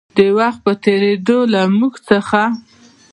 د وخـت پـه تېـرېدو لـه مـوږ څـخـه